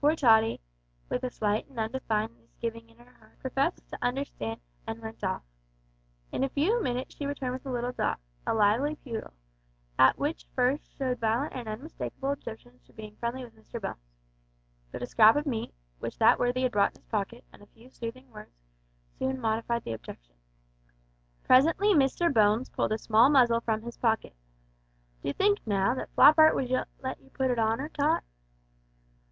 Poor Tottie, with a slight and undefined misgiving at her heart, professed to understand, and went off. In a few minutes she returned with the little dog a lively poodle which at first showed violent and unmistakable objections to being friendly with Mr Bones. But a scrap of meat, which that worthy had brought in his pocket, and a few soothing words, soon modified the objection. Presently Mr Bones pulled a small muzzle from his pocket. "D'you think, now, that Floppart would let you put it on 'er, Tot?"